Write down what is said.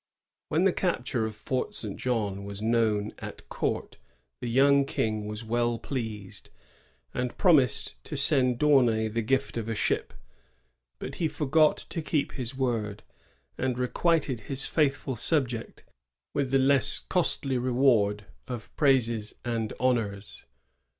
"^ When the capture of Fort St Jean was known at court the young King was well pleased, and promised to send D'Aunay the gift of a ship;^ but he forgot to keep his word, and requited his faithful subject with the less costly reward of praises and honors.